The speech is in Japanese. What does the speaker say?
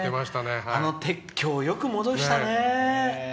鉄橋、よく戻したね。